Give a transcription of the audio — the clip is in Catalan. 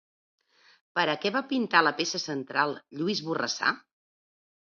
Per a què va pintar la peça central Lluís Borrassà?